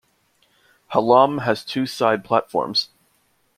Hallam has two side platforms.